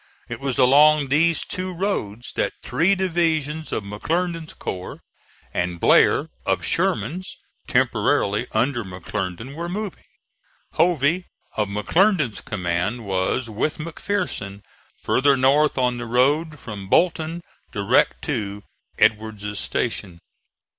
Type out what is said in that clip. It was along these two roads that three divisions of McClernand's corps, and Blair of Sherman's, temporarily under McClernand, were moving. Hovey of McClernand's command was with McPherson, farther north on the road from Bolton direct to Edward's station.